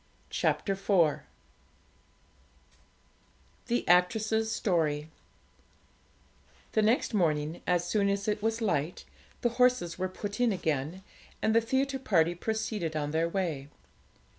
CHAPTER IV THE ACTRESS'S STORY The next morning, as soon as it was light, the horses were put in again, and the theatre party proceeded on their way.